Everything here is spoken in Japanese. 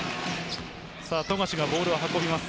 富樫がボールを運びます。